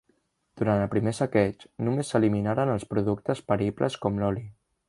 Durant el primer saqueig, només s'eliminaren els productes peribles com l'oli.